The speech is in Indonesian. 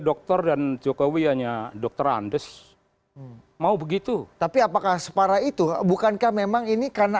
dokter dan jokowi hanya dokter andes mau begitu tapi apakah separah itu bukankah memang ini karena